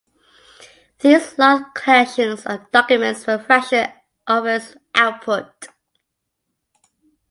These large collections of documents were a fraction of his output.